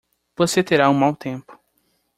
Você terá um mau tempo.